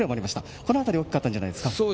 この辺りが大きかったんじゃないですか。